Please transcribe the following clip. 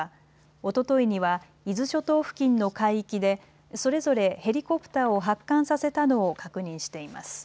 おとといには伊豆諸島付近の海域でそれぞれヘリコプターを発艦させたのを確認しています。